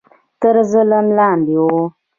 تر ظلم لاندې وو